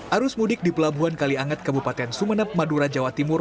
arus mudik di pelabuhan kaliangat kabupaten sumeneb madura jawa timur